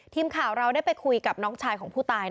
ทีมข่าวเราได้ไปคุยกับน้องชายของผู้ตาย